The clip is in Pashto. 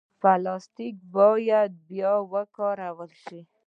پلاستيک باید بیا وکارول شي.